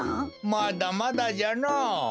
まだまだじゃのぉ。